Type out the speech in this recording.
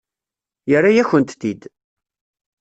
Yerra-yakent-t-id.